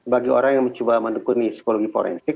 bagi orang yang mencoba mendukung psikologi forensik